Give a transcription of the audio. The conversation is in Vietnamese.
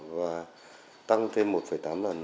và tăng thêm một tám lần